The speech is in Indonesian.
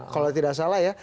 kalau tidak salah ya